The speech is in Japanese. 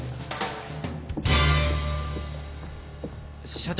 社長。